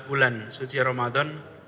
sebuah bulan suci ramadan